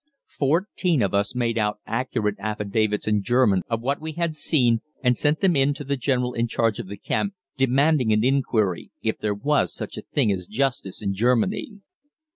Fourteen of us made out accurate affidavits in German of what we had seen, and sent them in to the general in charge of the camp, demanding an inquiry, if there was such a thing as justice in Germany.